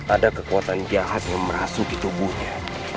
ada kekuatan jahat yang merasuki tubuhnya